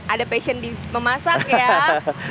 ada passion di memasak ya